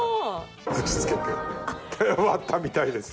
打ちつけて割ったみたいです。